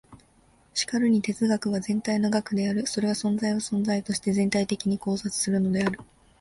しかるに哲学は全体の学である。それは存在を存在として全体的に考察するのである。